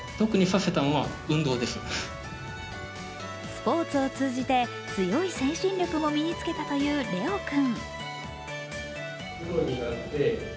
スポーツを通じて強い精神力も身に付けたという怜央君。